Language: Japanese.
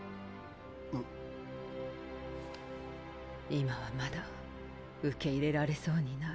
今はまだ受け入れられそうにない。